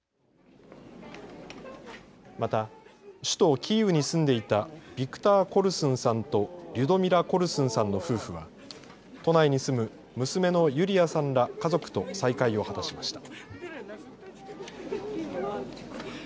また、首都キーウに住んでいたビクター・コルスンさんとリュドミラ・コルスンさんの夫婦は都内に住む娘のユリヤさんら家族と再会を果たしました。